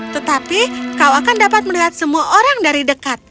tetapi kau akan dapat melihat semua orang dari dekat